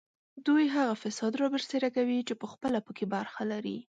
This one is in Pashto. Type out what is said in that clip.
دوی هغه فساد رابرسېره کوي چې پخپله په کې برخه لري